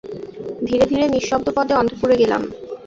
ধীরে ধীরে নিঃশব্দপদে অন্তঃপুরে গেলাম।